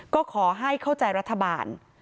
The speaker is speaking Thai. ก็ขอให้เข้าใจรัฐบาล